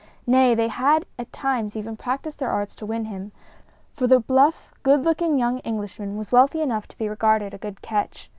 Nay, they had at times even practiced their arts to win him, for the bluff, good looking young Englishman was wealthy enough to be regarded a good catch.